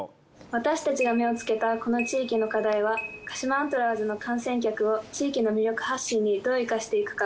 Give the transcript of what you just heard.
私たちが目をつけたこの地域の課題は鹿島アントラーズの観戦客を地域の魅力発信にどう活かしていくか。